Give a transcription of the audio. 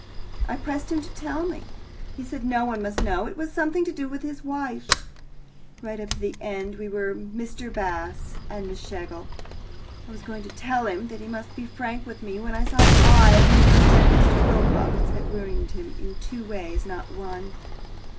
I pressed him to tell me. He said no one must know; it was something to do with his wife. Right up to the end we were Mr. Bast and Miss Schlegel. I was going to tell him that he must be frank with me when I saw his eyes, and guessed that Mr. Wilcox had ruined him in two ways, not one.